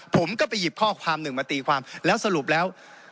ผมก็ไปหยิบข้อความหนึ่งมาตีความแล้วสรุปแล้ว